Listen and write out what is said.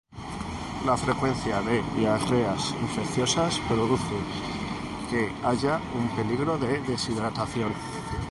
La frecuencia de diarreas infecciosas produce que haya un peligro de deshidratación.